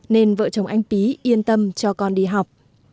nên vợ chồng anh pí yên tâm cho con đi học